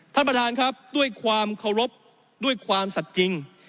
ท่านประธานครับด้วยความเคารพด้วยความสัดจริง